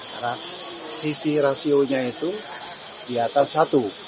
karena isi rasionya itu di atas satu